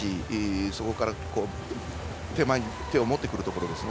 そこから手前に手を持ってくるところですね。